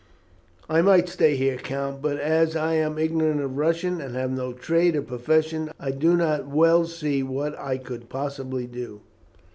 "I might stay here, count, but as I am ignorant of Russian, and have no trade or profession, I do not well see what I could possibly do."